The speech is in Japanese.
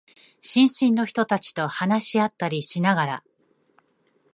新進の人たちと話し合ったりしながら、